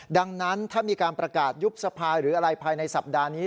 ดังนั้นถ้ามีการประกาศยุบสภาหรืออะไรภายในสัปดาห์นี้